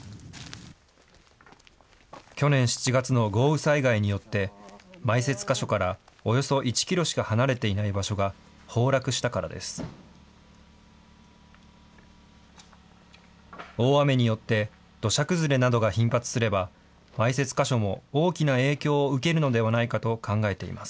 去年７月の豪雨災害によって、埋設箇所からおよそ１キロしか離れていない場所が崩落したからです。